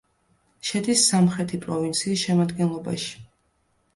შედის სამხრეთი პროვინციის შემადგენლობაში.